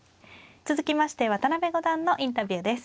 続きまして渡辺五段のインタビューです。